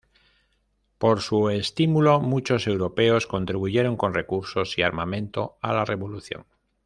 Por su estímulo muchos europeos contribuyeron con recursos y armamento a la revolución.